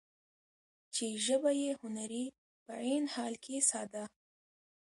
چې ژبه يې هنري په عين حال کې ساده ،